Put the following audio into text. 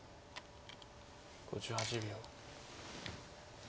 ５８秒。